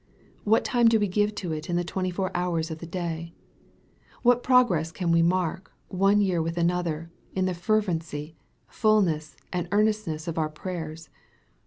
What time do we give to it in the twenty four hours of the day ? What progress can we mark, one year with another, in the fervency, fulness, and earnestness of our prayers